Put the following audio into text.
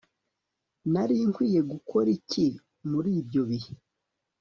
Nari nkwiye gukora iki muri ibyo bihe